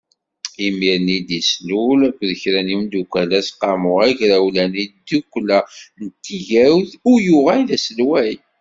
Imir-nni i d-yeslul-d akked kra n yimeddukkal aseqqamu agrawlan i tiddukla n tigawt u yuɣal d aselway.